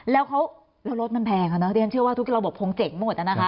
แล้วรถมันแพงเดี๋ยวฉันเชื่อว่าทุกกิโลกบับพงษ์เจ๋งหมด